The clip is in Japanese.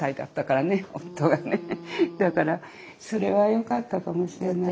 だからそれはよかったかもしれない。